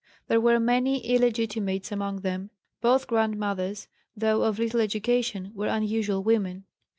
There were many illegitimates among them. Both grandmothers, though of little education, were unusual women.